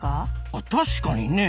あ確かにね。